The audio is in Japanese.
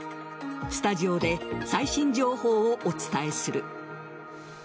スタジオで最新情報をお伝えする。